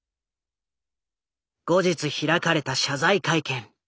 後日開かれた謝罪会見。